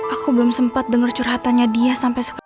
aku belum sempat dengar curhatannya dia sampai sekarang